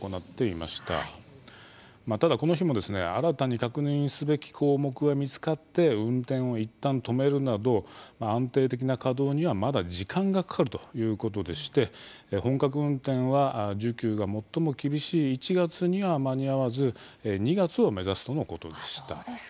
まあただこの日もですね新たに確認すべき項目は見つかって運転を一旦止めるなど安定的な稼働にはまだ時間がかかるということでして本格運転は需給が最も厳しい１月には間に合わず２月を目指すとのことでした。